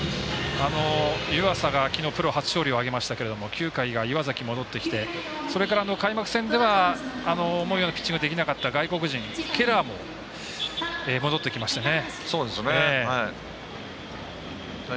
湯浅がプロ初勝利を挙げて９回は岩崎が戻ってきてそれから、開幕戦では思うようなピッチングができなかった外国人、ケラーも戻ってきました。